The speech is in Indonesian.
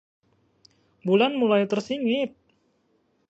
bulan mulai tersingit